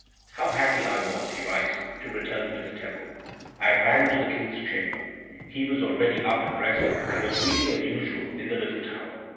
"How happy I was," he writes, "to return to the Temple! I ran to the King's chamber. He was already up and dressed, and was reading as usual in the little tower.